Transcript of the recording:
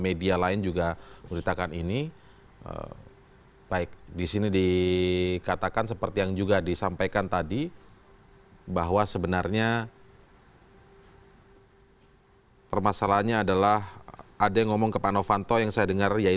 ada yang ngomong ke pak novanto yang saya dengar